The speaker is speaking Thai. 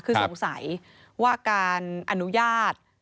คือสงสัยว่าการอนุญาต